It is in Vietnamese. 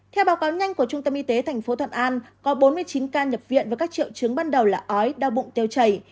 theo báo cáo nhanh của trung tâm y tế tp thuận an có bốn mươi chín ca nhập viện với các triệu chứng ban đầu là ói đau bụng tiêu chảy